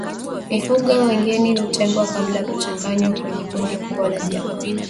Mifugo wageni hutengwa kabla ya kuchanganywa kwenye kundi kubwa la wanyama